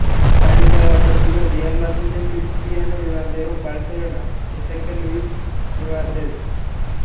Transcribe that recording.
তালিকায় অন্য দুজন—রিয়াল মাদ্রিদের ক্রিস্টিয়ানো রোনালদো এবং বার্সেলোনা স্ট্রাইকার লুইস সুয়ারেজ।